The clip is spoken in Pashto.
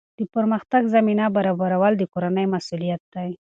د پرمختګ زمینه برابرول د کورنۍ مسؤلیت دی.